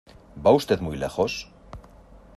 ¿ va usted muy lejos?